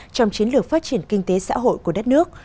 trong chiến lược phát triển kinh tế xã hội của đất nước